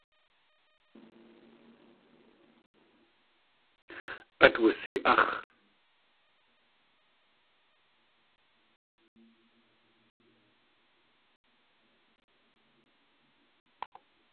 Át wusi.áx̲.